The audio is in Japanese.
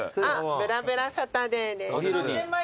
『ぶらぶらサタデー』です。